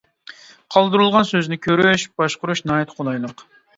قالدۇرۇلغان سۆزنى كۆرۈش، باشقۇرۇش ناھايىتى قولايلىق.